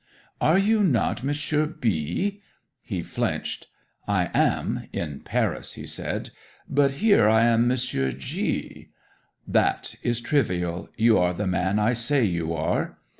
'"Are you not Monsieur B ?" 'He flinched. "I am in Paris," he said. "But here I am Monsieur G ." '"That is trivial. You are the man I say you are."